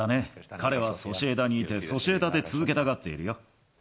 彼はソシエダにいてソシエダで続けたがっているよ。